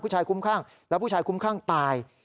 ผู้ชายคุ้มข้างแล้วผู้ชายคุ้มข้างตาย